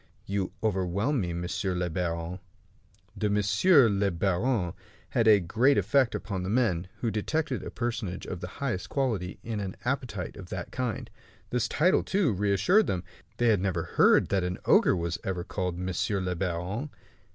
"You overwhelm me, monsieur le baron." The "monsieur le baron" had a great effect upon the men, who detected a personage of the highest quality in an appetite of that kind. This title, too, reassured them. They had never heard that an ogre was ever called "monsieur le baron".